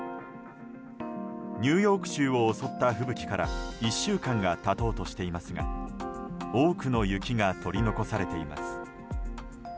ニューヨーク州を襲った吹雪から１週間が経とうとしていますが多くの雪が取り残されています。